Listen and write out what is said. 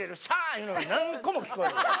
いうのが何個も聞こえる。